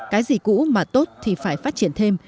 cái gì cũ mà tốt thì phải phát triển thêm